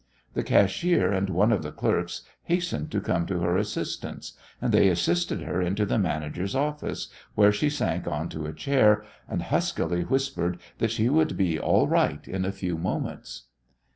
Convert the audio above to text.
The cashier and one of the clerks hastened to come to her assistance, and they assisted her into the manager's office, where she sank on to a chair, and huskily whispered that she would be all right in a few moments.